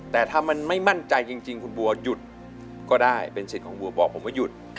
แต่ถ้ามันไม่มั่นใจจริงคุณบัวหยุดก็ได้เป็นสิทธิ์ของบัวบอกผมว่าหยุด